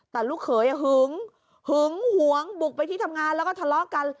แต่ลูกเขยหึงหึงหวงบุกไปที่ทำงานแล้วก็ทะเลาะกัน